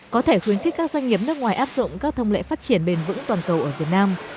có thể khuyến khích các doanh nghiệp nước ngoài áp dụng các thông lệ phát triển bền vững toàn cầu ở việt nam